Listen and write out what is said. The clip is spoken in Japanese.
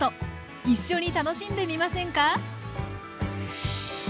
一緒に楽しんでみませんか？